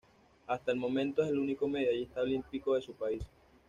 Hasta el momento es el único medallista olímpico de su país.